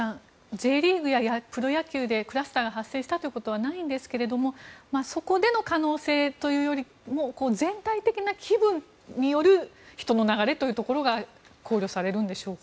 Ｊリーグやプロ野球でクラスターが発生したということはないんですけれどもそこでの可能性というよりも全体的な気分による人の流れというところが考慮されるんでしょうか。